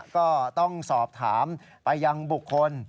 ก็ต้องสอบถามไปยังบุคคล